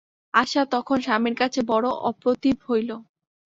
আশা তখন স্বামীর কাছে বড়ো অপ্রতিভ হইল।